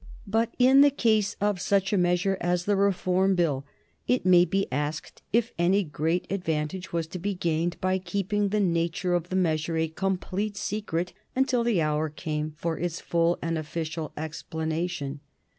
But in the case of such a measure as the Reform Bill it may be asked if any great advantage was to be gained by keeping the nature of the measure a complete secret until the hour came for its full and official explanation.